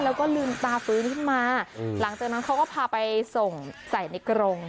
แล้วก็ลืมตาฟื้นขึ้นมาหลังจากนั้นเขาก็พาไปส่งใส่ในกรง